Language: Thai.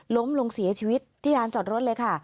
ล้มลงเสียชีวิตที่ร้านจอดรถเลยค่ะ